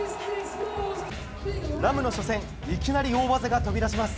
ＲＡＭの初戦いきなり大技が飛び出します。